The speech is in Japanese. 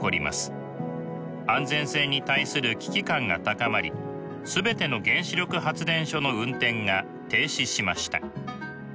安全性に対する危機感が高まり全ての原子力発電所の運転が停止しました。